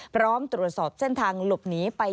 พร้อมตรวจสอบเส้นทางหลบหนีไป